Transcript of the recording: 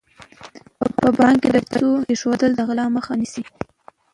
په بانک کې د پیسو ایښودل له غلا مخه نیسي.